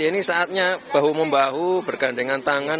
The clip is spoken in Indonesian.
ini saatnya bahu membahu bergandengan tangan